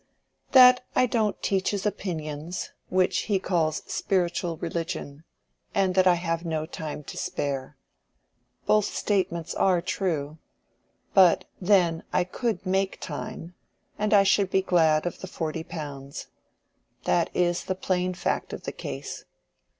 "That I don't teach his opinions—which he calls spiritual religion; and that I have no time to spare. Both statements are true. But then I could make time, and I should be glad of the forty pounds. That is the plain fact of the case.